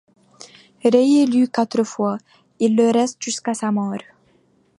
Réélu quatre fois, il le reste jusqu’à sa mort.